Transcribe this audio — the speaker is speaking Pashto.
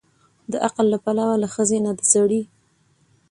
د عقل له پلوه له ښځې نه د سړي